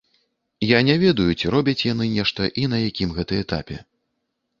Я не ведаю, ці робяць яны нешта і на якім гэта этапе.